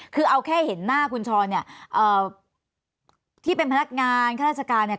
คือเอาแค่เห็นหน้าคุณชรเนี่ยที่เป็นพนักงานข้าราชการเนี่ย